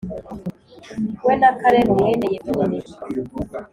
we, na Kalebu mwene Yefune,